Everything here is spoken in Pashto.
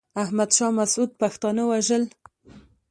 احمد شاه مسعود پښتانه وژل.